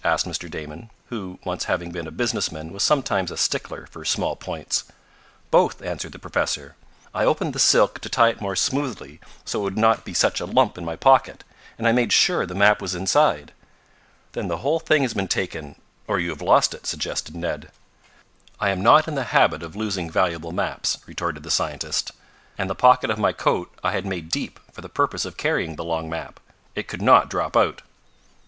asked Mr. Damon, who, once having been a businessman, was sometimes a stickler for small points. "Both," answered the professor. "I opened the silk to tie it more smoothly, so it would not be such a lump in my pocket, and I made sure the map was inside." "Then the whole thing has been taken or you have lost it," suggested Ned. "I am not in the habit of losing valuable maps," retorted the scientist. "And the pocket of my coat I had made deep, for the purpose of carrying the long map. It could not drop out."